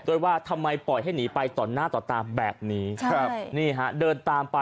ด้วยว่าทำไมปล่อยให้หนีไปต่อนหน้าต่อตามแบบนี้